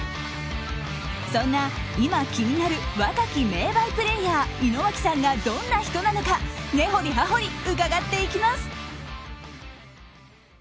そんな、今気になる若き名バイプレーヤー井之脇さんがどんな人なのか根掘り葉掘り伺っていきます！